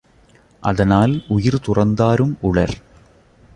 அதனால் உயிர் துறந்தாரும் உளர்.